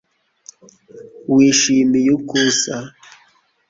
wishimiye uko usa